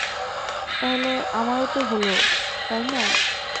তাহলে আমারও তো হলো, তাইনা?